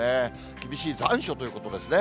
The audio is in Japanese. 厳しい残暑ということですね。